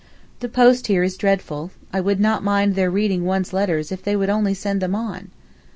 The post here is dreadful, I would not mind their reading one's letters if they would only send them on.